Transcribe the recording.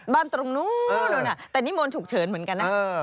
บ้านตรงโน้นน่ะแต่นิมนต์ถูกเชิญเหมือนกันนะ